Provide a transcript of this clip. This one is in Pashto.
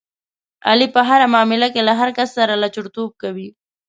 علي په هره معامله کې له هر کس سره لچرتوب کوي.